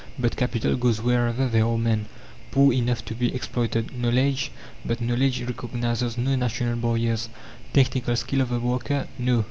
But capital goes wherever there are men, poor enough to be exploited. Knowledge? But knowledge recognizes no national barriers. Technical skill of the worker? No.